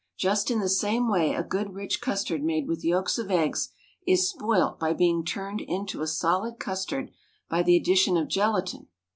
Just in the same way a good rich custard made with yolks of eggs is spoilt by being turned into a solid custard by the addition of gelatine.